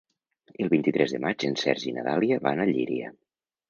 El vint-i-tres de maig en Sergi i na Dàlia van a Llíria.